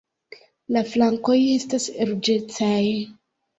La flankoj estas ruĝecaj.